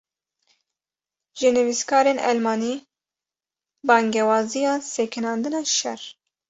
Ji nivîskarên Elmanî, bangewaziya sekinandina şer